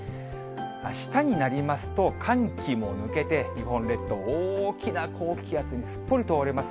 あしたになりますと、寒気も抜けて、日本列島、大きな高気圧にすっぽりと覆われます。